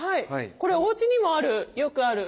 これおうちにもある。